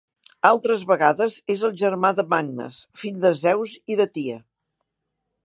Altres vegades és el germà de Magnes, fill de Zeus i de Tia.